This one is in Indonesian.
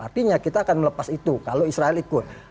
artinya kita akan melepas itu kalau israel ikut